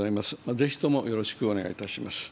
ぜひともよろしくお願いいたします。